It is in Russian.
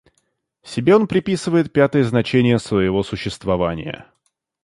Себе он приписывает пятое значение своего существования.